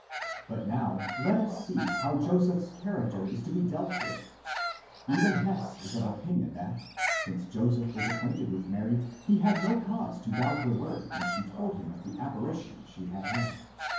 But now let us see how Joseph's character is to be dealt with! Even Hess is of opinion that, since Joseph was acquainted with Mary, he had no cause to doubt her word, when she told him of the apparition she had had.